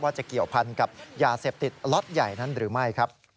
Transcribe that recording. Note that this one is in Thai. จะเกี่ยวพันกับยาเสพติดล็อตใหญ่นั้นหรือไม่ครับ